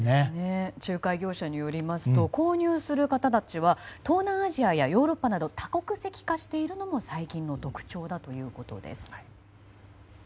仲介業者によりますと購入する方たちは東南アジアやヨーロッパなど多国籍化しているのも最近の特徴だということです。